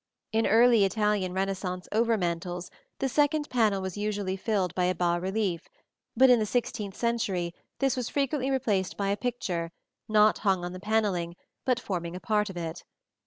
In early Italian Renaissance over mantels the central panel was usually filled by a bas relief; but in the sixteenth century this was frequently replaced by a picture, not hung on the panelling, but forming a part of it.